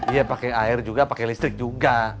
iya pake air juga pake listrik juga